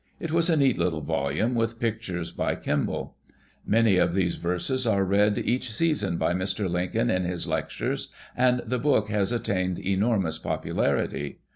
It was a neat little volume, witli pictures by. Kemble. Many of these verses are read each season by Mr. Lincoln in his lectures and the book has attained enormous popularity.